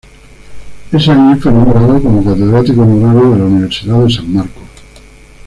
Ese año fue nombrado como Catedrático Honorario de la Universidad de San Marcos.